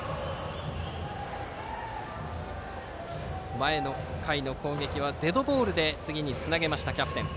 前の回の攻撃はデッドボールで次につなげました、キャプテン。